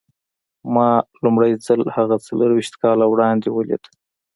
ما لومړی ځل هغه څلور ويشت کاله وړاندې وليد.